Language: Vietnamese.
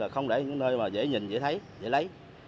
không để những nơi mà dễ nhìn dễ thấy dễ lấy